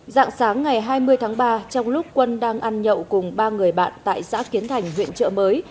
dạng sáng ngày hai mươi tháng ba trong lúc quân đang ăn nhậu cùng ba người bạn tại xã kiến thành huyện trợ mới